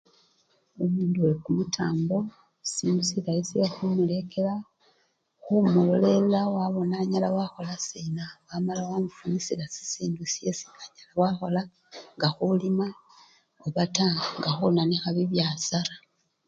Omundu wekumutambo sindxu silayi syekhumulekela, khumulolelela wabona anyala wakhola sina wamala wamufunisila nisyo anyala wakhola nga khulima obata nga khunanikha bibyasara.